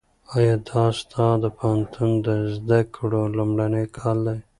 ایا دا ستا د پوهنتون د زده کړو لومړنی کال دی؟